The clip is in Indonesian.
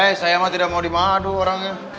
eh saya mah tidak mau dimadu orangnya